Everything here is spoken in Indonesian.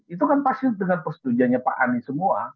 itu kan pasti dengan persetujuannya pak anies semua